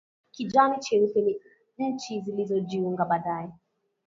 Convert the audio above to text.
Kijani cheupe ni nchi zilizojiunga baadaye